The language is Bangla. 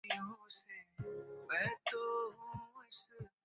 বৃষ্টি শুরু হলেই ব্যালট-সিল নিয়ে দৌড়ে কর্মকর্তারা একটি নিরাপদ কক্ষে আশ্রয় নিচ্ছেন।